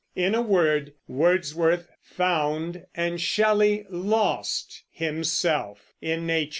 In a word, Wordsworth found and Shelley lost himself in nature.